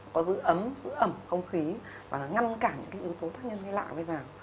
có giữ ấm giữ ẩm không khí và ngăn cản những yếu tố thất nhân hay lạ vây vào